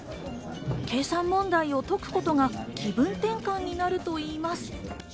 計算問題を解くことが気分転換になるといいます。